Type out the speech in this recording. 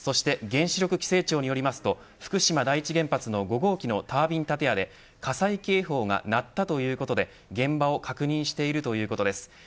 原子力規制庁によると福島第一原発の５号機のタービン建屋で火災警報が鳴ったということで現場を確認しているということです。